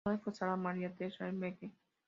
Su madre fue Sarah Maria Theresa McKean.